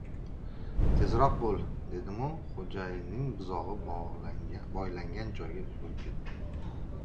—Tezroq bo’l! — dedimu Xo‘janing buzog‘i boylangan joyga yugurib ketdim...